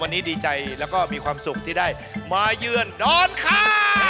วันนี้ดีใจแล้วก็มีความสุขที่ได้มาเยือนนอนค้า